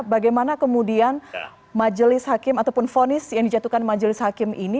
bagaimana kemudian majelis hakim ataupun fonis yang dijatuhkan majelis hakim ini